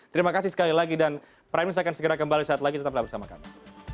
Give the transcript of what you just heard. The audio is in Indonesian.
terima kasih sekali lagi dan priming saya akan segera kembali lagi tetap bersama sama